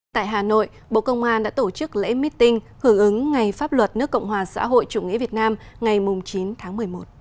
tại hà nội bộ công an đã tổ chức lễ meeting hưởng ứng ngày pháp luật nước cộng hòa xã hội chủ nghĩa việt nam ngày chín tháng một mươi một